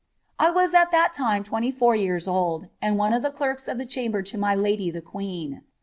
I was at that time twenty iir years old, and one of the clerks of the chamber to my lady the cen.